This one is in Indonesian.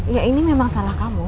ya ini memang salah kamu